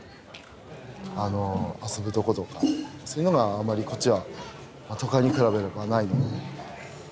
あの遊ぶとことかそういうのがあんまりこっちはまあ都会に比べればないので。